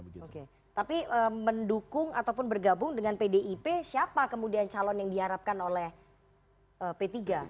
tapi mendukung ataupun bergabung dengan pdip siapa kemudian calon yang diharapkan oleh p tiga